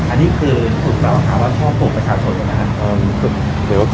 อันนี้คือถูกบรรษาว่าช่อปูประชาชนหรือเปล่านะครับ